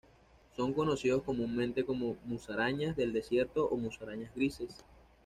Son conocidos comúnmente como musarañas del desierto o musarañas grises.